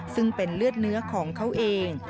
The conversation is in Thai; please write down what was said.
ซึ่งเป็นเลือดเนื้อของเขาเอง